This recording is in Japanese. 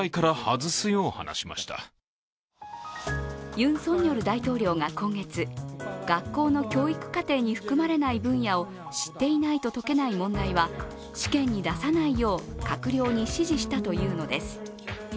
ユン・ソンニョル大統領が今月、学校の教育課程に含まれない分野を知っていないと解けない問題は試験に出さないよう閣僚に指示したというのです。